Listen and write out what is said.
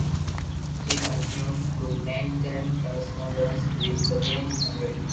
He continued to maintain correspondence with the prince Henry.